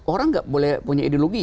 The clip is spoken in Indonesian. orang nggak boleh punya ideologi